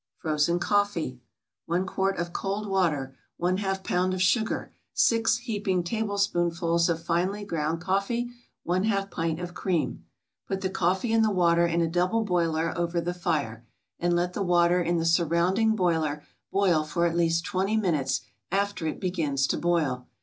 FROZEN COFFEE 1 quart of cold water 1/2 pound of sugar 6 heaping tablespoonfuls of finely ground coffee 1/2 pint of cream Put the coffee and the water in a double boiler over the fire, and let the water in the surrounding boiler boil for at least twenty minutes after it begins to boil.